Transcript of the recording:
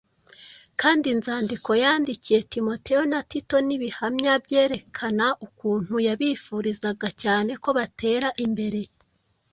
kandi inzandiko yandikiye Timoteyo na Tito ni ibihamya byerekana ukuntu yabifurizaga cyane ko batera imbere.